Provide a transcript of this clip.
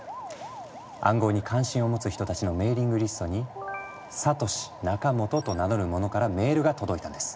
暗号に関心を持つ人たちのメーリングリストにサトシ・ナカモトと名乗る者からメールが届いたんです。